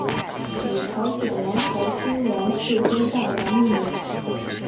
以朝鲜王朝君王世宗大王命名。